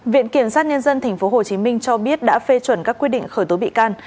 viện kiểm sát nhân dân tp hcm cho biết đã phê chuẩn các quyết định khởi tố bị can